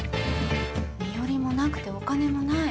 身寄りもなくてお金もない。